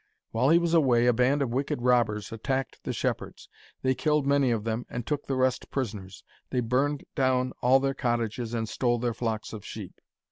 While he was away a band of wicked robbers attacked the shepherds. They killed many of them, and took the rest prisoners. They burned down all their cottages, and stole their flocks of sheep.